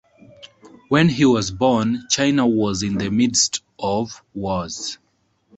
When he was born, China was in the midst of wars.